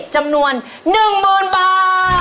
จำนวน๑๐๐๐บาท